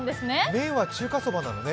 麺は中華そばなのね。